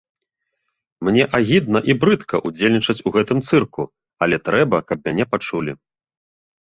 Мне агідна і брыдка удзельнічаць у гэтым цырку, але трэба, каб мяне пачулі.